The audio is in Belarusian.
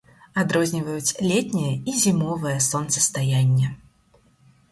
Адрозніваюць летняе і зімовае сонцастаянне.